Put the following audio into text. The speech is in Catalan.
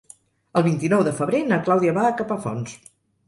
El vint-i-nou de febrer na Clàudia va a Capafonts.